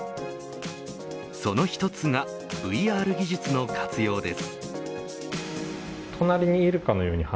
その一つがＶＲ技術の活用です。